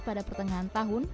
pada pertengahan tahun